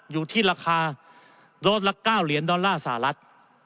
อยู่ที่ราคาโดสละ๙เหรียญดอลลาร์สหรัฐ